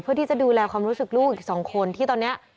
เพื่อที่จะดูแลความรู้สึกลูกอีก๒คนที่ตอนนี้